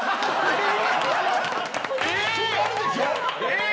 えっ！